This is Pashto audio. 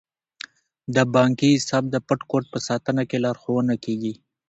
د بانکي حساب د پټ کوډ په ساتنه کې لارښوونه کیږي.